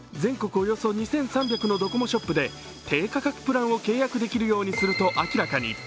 およそ２３００のドコモショップで低価格プランを契約できるようにすると明らかに。